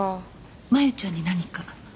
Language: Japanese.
麻由ちゃんに何か？